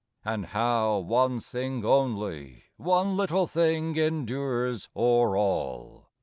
and how one thing only, One little thing endures o'er all!